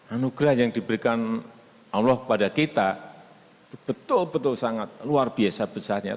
anugerah yang diberikan allah kepada kita betul betul sangat luar biasa besarnya